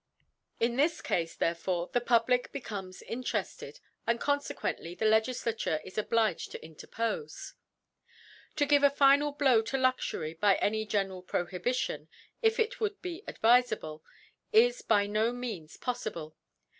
In this Cafe therefore the PAjUliclTecQtneis in* terefted, and confequently the Leg^Qaiureh obliged to interpofe. To give a final Blow to Luxury by gny general Prohibition, if it would be aidvif * »ble, is by no means poflfible.